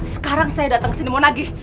sekarang saya datang ke sini mau nagih